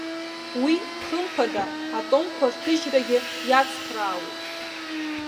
Уи, хымԥада, атомқәа рҭыжьрагьы иацхраауеит!